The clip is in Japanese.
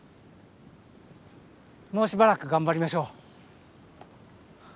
もうしばらく頑張りましょう。